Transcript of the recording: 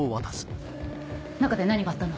中で何があったの？